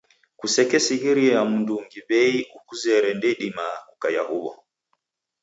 Kusekesighiria mndungi w'ei ukuzere ndeidima kukaia huw'o.